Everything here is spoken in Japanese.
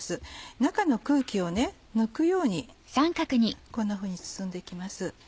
中の空気を抜くようにこんなふうに包んで行きます。